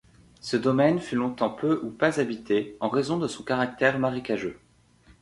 Ce domaine fut longtemps peu ou pas habité en raison de son caractère marécageux.